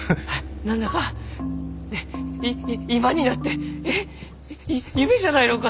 何だかいい今になってえっゆ夢じゃないのかと。